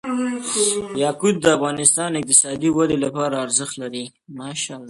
یاقوت د افغانستان د اقتصادي ودې لپاره ارزښت لري.